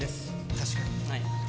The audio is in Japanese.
確かに。